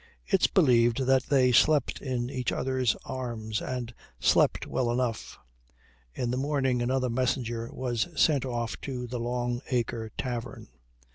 It's believed that they slept in each other's arms, and slept well enough. In the morning another messenger was sent off to the Long Acre tavern.